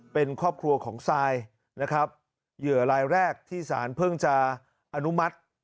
เป็นครอบครัวของซายนะครับเหยื่อรายแรกที่สารเพิ่งจะอนุมัติ